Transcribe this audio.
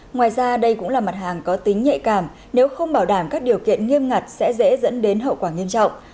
ngoài ra đây cũng là mặt hàng có tính nhạy cảm nếu không bảo đảm các điều kiện nghiêm ngặt sẽ dễ dẫn đến hậu quả nghiêm trọng